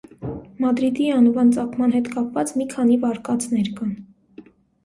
Մադրիդի անվան ծագման հետ կապված մի քանի վարկածներ կան։